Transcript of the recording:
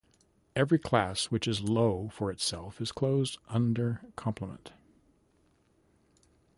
Every class which is low for itself is closed under complement.